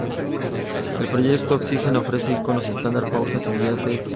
El Proyecto Oxygen ofrece iconos estándar, pautas y una guía de estilo.